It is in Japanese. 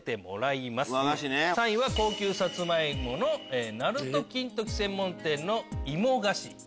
高級サツマイモの鳴門金時専門店の芋菓子。